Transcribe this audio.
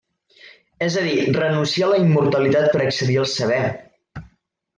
És a dir, renuncia a la immortalitat per accedir al saber.